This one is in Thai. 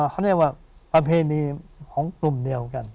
เขาเรียกว่าประเพณีของกลุ่มเดียวกัน